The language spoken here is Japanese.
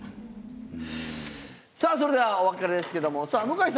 さぁそれではお別れですけどもさぁ向井さん。